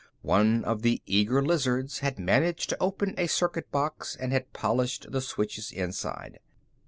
One of the eager lizards had managed to open a circuit box and had polished the switches inside.